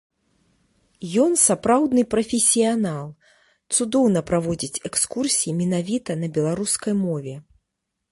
Ён сапраўдны прафесіянал, цудоўна праводзіць экскурсіі менавіта на беларускай мове.